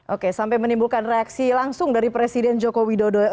oke sampai menimbulkan reaksi langsung dari presiden joko widodo